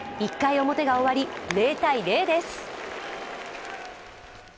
１回表が終わり０−０です。